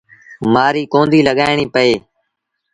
مآريٚ ڪونديٚ لڳآڻيٚ پئي۔